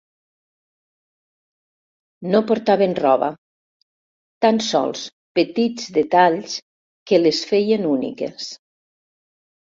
No portaven roba, tan sols petits detalls que les feien úniques.